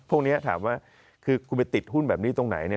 พวกนี้ถามว่าคือคุณไปติดหุ้นแบบนี้ตรงไหน